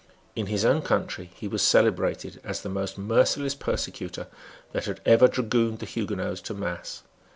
In his own country he was celebrated as the most merciless persecutor that had ever dragooned the Huguenots to mass.